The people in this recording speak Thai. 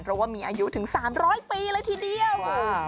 เพราะว่ามีอายุถึง๓๐๐ปีเลยทีเดียว